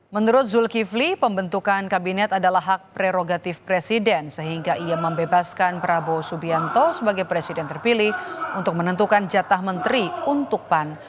menurut zulkifli pembentukan kabinet adalah hak prerogatif presiden sehingga ia membebaskan prabowo subianto sebagai presiden terpilih untuk menentukan jatah menteri untuk pan